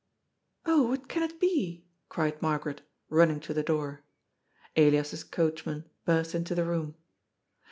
^' Oh, what can it be ?" cried Margaret, running to the door. Elias's coachman burst into the room.